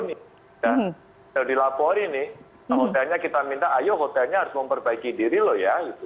kalau dilaporin nih hotelnya kita minta ayo hotelnya harus memperbaiki diri loh ya